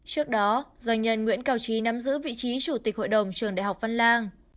trước đó doanh nhân nguyễn cao trí nắm giữ vị trí chủ tịch hội đồng trường đại học phan lan